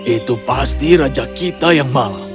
itu pasti raja kita yang malang